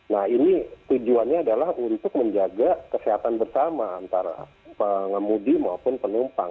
nah ini tujuannya adalah untuk menjaga kesehatan bersama antara pengemudi maupun penumpang